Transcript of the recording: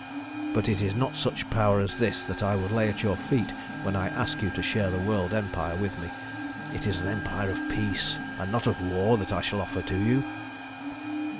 But it is not such power as this that I would lay at your feet, when I ask you to share the world empire with me. It is an empire of peace and not of war that I shall offer to you."